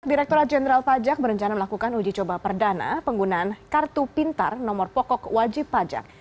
direkturat jenderal pajak berencana melakukan uji coba perdana penggunaan kartu pintar nomor pokok wajib pajak